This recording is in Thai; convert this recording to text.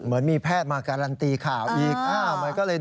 เหมือนมีแพทย์มาการันตีข่าวอีก